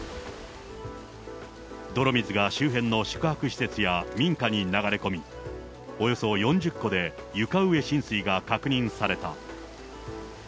泥水が周辺の宿泊施設や民家に流れ込み、およそ４０戸で床上浸水が確認された。